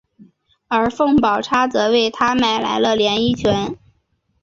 而凤宝钗则为他买来了连衣裙。